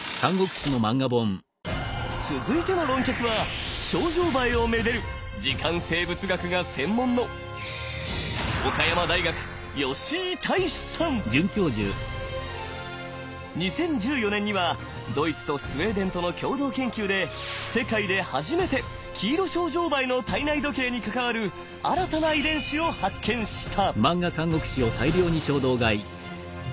続いての論客はショウジョウバエをめでる時間生物学が専門の２０１４年にはドイツとスウェーデンとの共同研究で世界で初めてキイロショウジョウバエの体内時計に関わる新たな遺伝子を発見した！